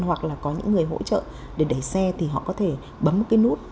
hoặc là có những người hỗ trợ để đẩy xe thì họ có thể bấm một cái nút